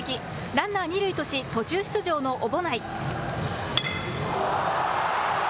ランナー、二塁とし途中出場の小保内。